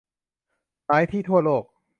หลายที่ทั่วโลก